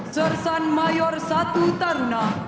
sersan mayor satu taruna